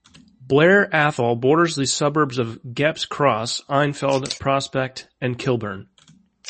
Blair Athol borders the suburbs of Gepps Cross, Enfield, Prospect and Kilburn.